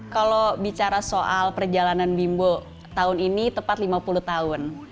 kalau bicara soal perjalanan bimbo tahun ini tepat lima puluh tahun